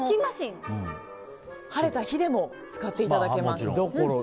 晴れた日でも使っていただけます。